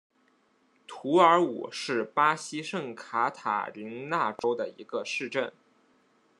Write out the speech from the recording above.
图尔武是巴西圣卡塔琳娜州的一个市镇。